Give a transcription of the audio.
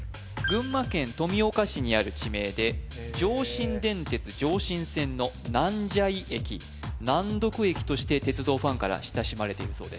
群馬県富岡市にある地名で上信電鉄上信線の南蛇井駅難読駅として鉄道ファンから親しまれているそうです